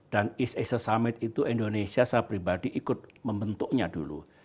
dan east asia summit itu indonesia saya pribadi ikut membentuknya dulu